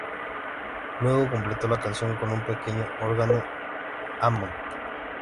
Luego completó la canción con un pequeño Órgano Hammond.